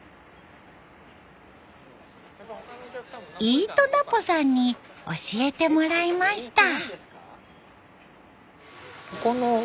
イートナポさんに教えてもらいました。